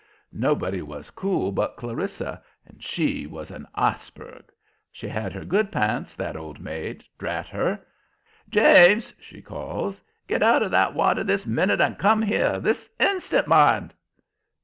Nobody was cool but Clarissa, and she was an iceberg. She had her good p'ints, that old maid did, drat her! "James," she calls, "get out of that water this minute and come here! This instant, mind!"